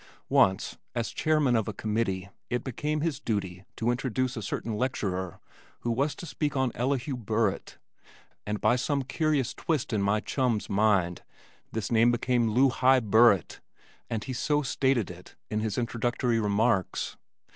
Once, as chairman of a committee it became his duty to introduce a certain lecturer who was to speak on "Elihu Burritt," and by some curious twist in my chum's mind this name became "Lu hi Burritt" and he so stated it in his introductory remarks.